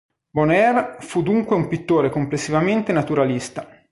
Bonheur fu dunque un pittore complessivamente naturalista.